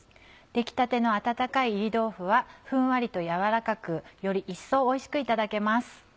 出来たての温かい炒り豆腐はふんわりとやわらかくより一層おいしくいただけます。